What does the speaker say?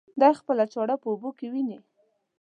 دى خپله چاړه په اوبو کې ويني.